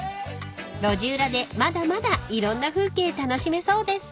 ［路地裏でまだまだいろんな風景楽しめそうです］